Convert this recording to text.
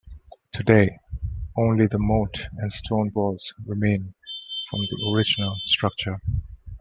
Today, only the moat and stone walls remain from the original structure.